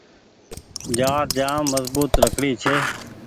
جآڙ جآم مزبوت لڪڙي ڇي۔